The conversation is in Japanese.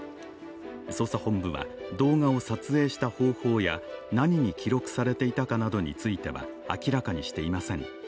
捜査本部は動画を撮影した方法や何に記録されていたかなどについては明らかにしていません。